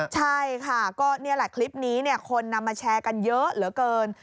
ใช่ค่ะก็นี่แหละคลิปนี้คนนำมาแชร์กันเยอะเหลือเกิน